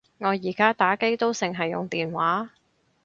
我而家打機都剩係用電話